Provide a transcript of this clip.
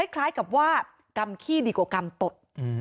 คล้ายกับว่ากำขี้ดีกว่ากรรมตด